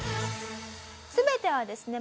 全てはですね